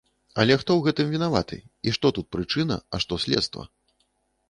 Але хто ў гэтым вінаваты, і што тут прычына, а што следства?